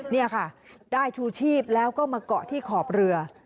นี่ค่ะได้ชูชีพแล้วก็มาเกาะที่ขอบเรือ